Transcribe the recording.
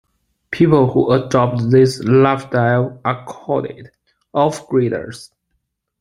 People who adopt this lifestyle are called "off-gridders".